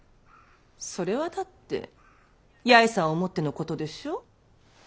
それはだって八重さんを思ってのことでしょう？